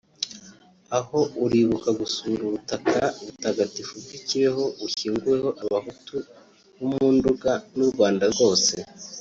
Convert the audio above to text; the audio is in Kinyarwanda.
Aho uribuka gusura ubutaka butagatifu bw’i Kibeho bushyinguweho abahutu bo mu Nduga n’u Rwanda rwose